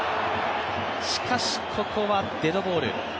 しかし、ここはデッドボール。